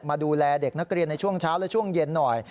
มาดูแลเด็กนักเรียนในช่วงเช้าและช่วงเย็นหน่อย